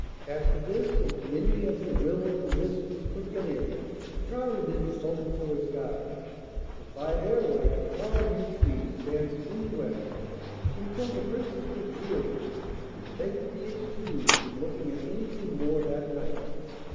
After this, as many of the will o' the wisps as could get in crowded into Potentilla's garden, and by their light the tall yew trees danced minuets until the Princess was weary and begged to be excused from looking at anything more that night.